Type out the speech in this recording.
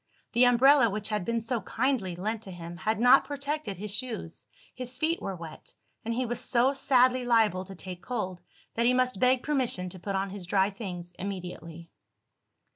The umbrella which had been so kindly lent to him, had not protected his shoes; his feet were wet; and he was so sadly liable to take cold that he must beg permission to put on his dry things immediately.